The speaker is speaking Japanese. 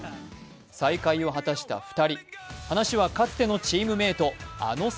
再会を果たした２人。